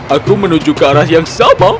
aku menuju ke arah yang sama